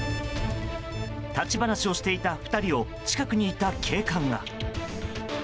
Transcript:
立ち話をしていた２人を近くにいた警官が。